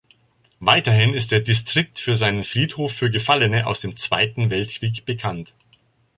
Weiterhin ist der Distrikt für seinen Friedhof für Gefallene aus dem Zweiten Weltkrieg bekannt.